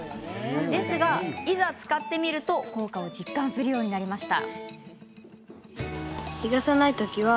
ですが、いざ使ってみると効果を実感するようになりました。